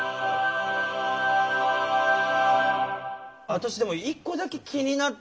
私でも１個だけ気になって。